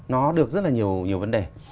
nó được rất là nhiều vấn đề